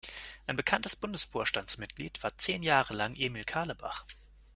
Ein bekanntes Bundesvorstandsmitglied war zehn Jahre lang Emil Carlebach.